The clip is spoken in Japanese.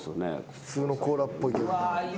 普通のコーラっぽいけど。